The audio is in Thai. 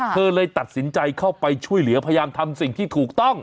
เลยตัดสินใจเข้าไปช่วยเหลือพยายามทำสิ่งที่ถูกต้อง